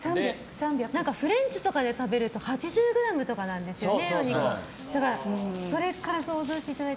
フレンチとかで食べると８０ｇとかなんですよね。